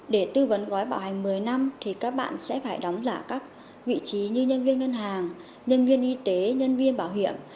để tư vấn gói bảo hành một mươi năm thì các bạn sẽ phải đóng giả các vị trí như nhân viên ngân hàng nhân viên y tế nhân viên bảo hiểm